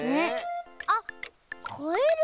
あっカエル？